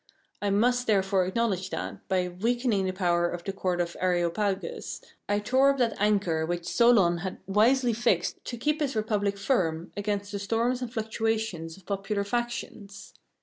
I must therefore acknowledge that, by weakening the power of the court of Areopagus, I tore up that anchor which Solon had wisely fixed to keep his Republic firm against the storms and fluctuations of popular factions.